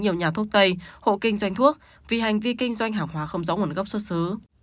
nhiều nhà thuốc tây hộ kinh doanh thuốc vì hành vi kinh doanh hàng hóa không rõ nguồn gốc xuất xứ